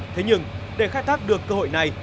thế nhưng để khai thác được cơ hội này